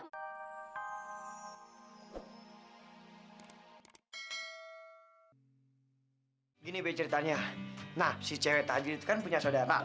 gini beceritanya nah si cewek tadi itu kan punya saudara